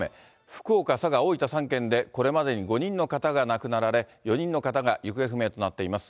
福岡、佐賀、大分３県で、これまでに５人の方が亡くなられ、４人の方が行方不明となっています。